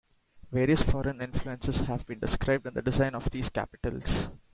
Various foreign influences have been described in the design of these capitals.